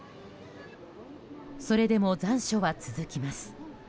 それでも残暑は続きます。